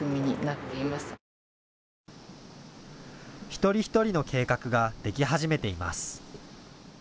一人一人の計画ができ始めています。